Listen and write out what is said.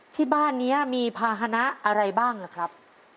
ที่บ้านนี้มีภาษณะอะไรบ้างนะครับ